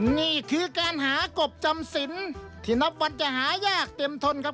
นี่คือการหากบจำสินที่นับวันจะหายากเต็มทนครับ